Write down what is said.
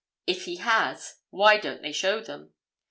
If he has, why don't they show them?